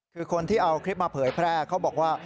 คือคนที่เอาคลิปมาเผยแพร่เขาบอกว่า